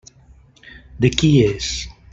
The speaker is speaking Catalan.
De qui és?